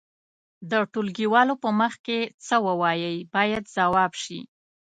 د ټولګيوالو په مخ کې څه ووایئ باید ځواب شي.